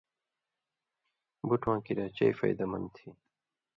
بُٹواں کریا چئ فَیدہ مند تھی۔